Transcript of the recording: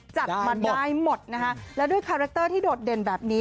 จัดมาได้หมดนะคะแล้วด้วยคาแรคเตอร์ที่โดดเด่นแบบนี้